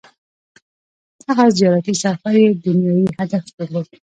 • دغه زیارتي سفر یې دنیايي هدف درلود.